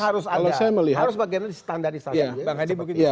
harus ada harus bagiannya disetandardisasi